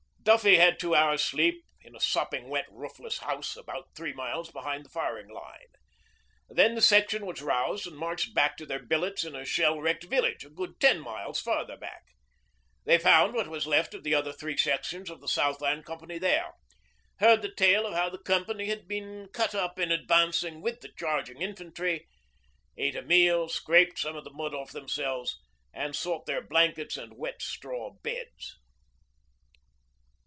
Duffy had two hours' sleep in a sopping wet roofless house, about three miles behind the firing line. Then the section was roused and marched back to their billets in a shell wrecked village, a good ten miles farther back. They found what was left of the other three sections of the Southland Company there, heard the tale of how the Company had been cut up in advancing with the charging infantry, ate a meal, scraped some of the mud off themselves, and sought their blankets and wet straw beds.